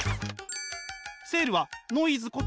セールはノイズこと